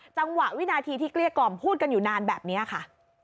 วินาทีที่เกลี้ยกล่อมพูดกันอยู่นานแบบนี้ค่ะ